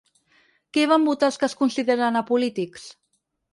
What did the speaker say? Què van votar els que es consideren apolítics?